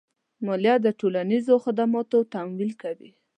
مالیه د ټولنیزو خدماتو تمویل کوي.